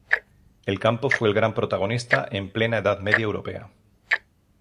El campo fue el gran protagonista en la Plena Edad Media europea.